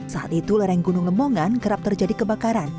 saat itu lereng gunung lemongan kerap terjadi kebakaran